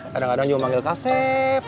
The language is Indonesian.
kadang kadang cuma panggil kasep